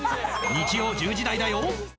日曜１０時台だよ